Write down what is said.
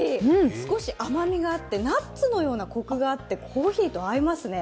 少し甘みがあってナッツのようなコクがあって、コーヒーと合いますね。